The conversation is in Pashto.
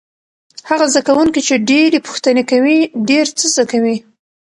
هغه زده کوونکی چې ډېرې پوښتنې کوي ډېر څه زده کوي.